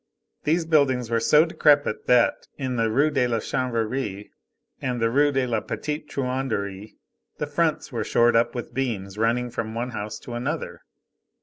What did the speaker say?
These buildings were so decrepit that, in the Rue de la Chanvrerie and the Rue de la Petite Truanderie, the fronts were shored up with beams running from one house to another.